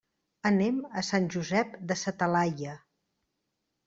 Anem a Sant Josep de sa Talaia.